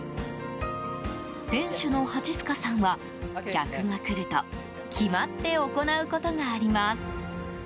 店主の蜂須賀さんは客が来ると決まって行うことがあります。